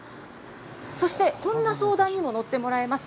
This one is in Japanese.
そしてこんな相談にも乗ってもらえます。